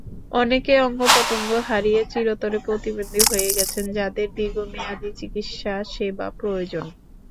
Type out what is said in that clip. অনেকে অঙ্গ-প্রত্যঙ্গ হারিয়ে চিরতরে প্রতিবন্ধী হয়ে গেছেন, যাঁদের দীর্ঘমেয়াদি চিকিৎসাসেবা প্রয়োজন।